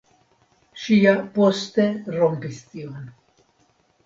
Ŝi ja poste rompis tion.